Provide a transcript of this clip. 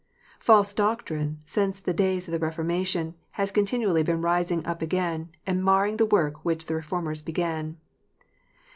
(c) False doctrine, since the days of the Reformation, has continually been rising up again, and marring the work which the Reformers began.